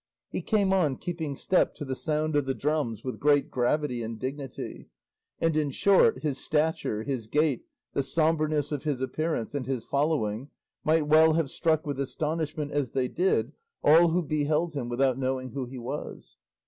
He came on keeping step to the sound of the drums with great gravity and dignity; and, in short, his stature, his gait, the sombreness of his appearance and his following might well have struck with astonishment, as they did, all who beheld him without knowing who he was.